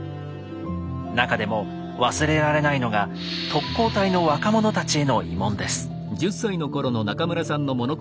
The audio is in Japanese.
なかでも忘れられないのが特攻隊の若者たちへの慰問です。